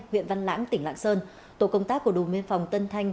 nguyễn văn lãng tỉnh lạng sơn tổ công tác của đồng biên phòng tân thanh